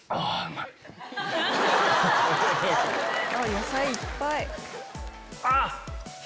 野菜いっぱい！